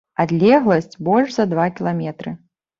Адлегласць больш за два кіламетры.